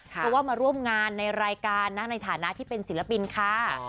เพราะว่ามาร่วมงานในรายการนะในฐานะที่เป็นศิลปินค่ะ